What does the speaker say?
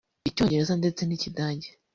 icyongereza ndetse n’ikidage